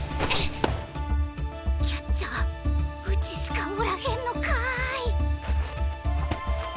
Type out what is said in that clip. キャッチャーうちしかおらへんのかい！